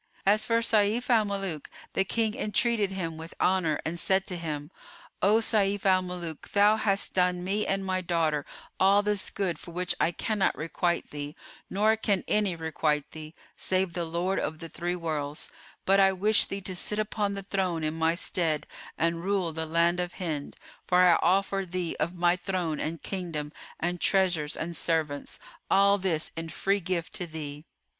As for Sayf al Muluk, the King entreated him with honour and said to him, "O Sayf al Muluk, thou hast done me and my daughter all this good for which I cannot requite thee nor can any requite thee, save the Lord of the three Worlds; but I wish thee to sit upon the throne in my stead and rule the land of Hind, for I offer thee of my throne and kingdom and treasures and servants, all this in free gift to thee."